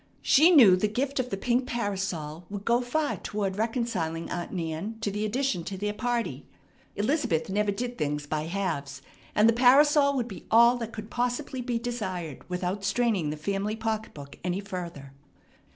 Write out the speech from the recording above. She knew the gift of the pink parasol would go far toward reconciling Aunt Nan to the addition to their party. Elizabeth never did things by halves, and the parasol would be all that could possibly be desired without straining the family pocketbook any further.